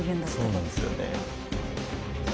そうなんですよね。